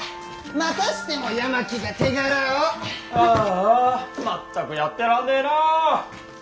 まったくやってらんねえな！